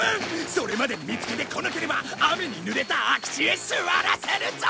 それまでに見つけてこなければ雨にぬれた空き地へ座らせるぞ！